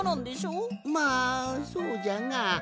まあそうじゃが。